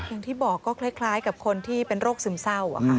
อย่างที่บอกก็คล้ายกับคนที่เป็นโรคซึมเศร้า